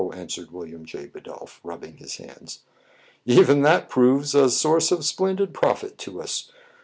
answered William J. Bidulph, rubbing his hands. "Even that proves a source of splendid profit to us.